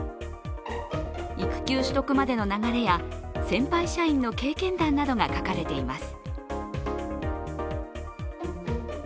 育休取得までの流れや先輩社員の経験談などが書かれています。